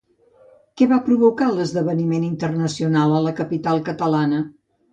Què va provocar l'esdeveniment internacional a la capital catalana?